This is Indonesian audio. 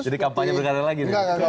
jadi kampanye berkarya lagi nih